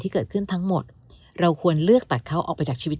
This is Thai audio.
ที่เกิดขึ้นทั้งหมดเราควรเลือกตัดเขาออกไปจากชีวิต